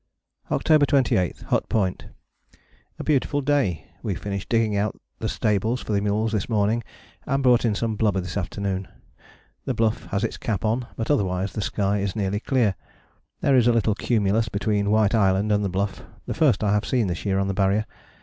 _ October 28. Hut Point. A beautiful day. We finished digging out the stable for the mules this morning and brought in some blubber this afternoon. The Bluff has its cap on, but otherwise the sky is nearly clear: there is a little cumulus between White Island and the Bluff, the first I have seen this year on the Barrier.